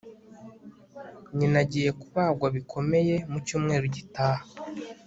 nyina agiye kubagwa bikomeye mu cyumweru gitaha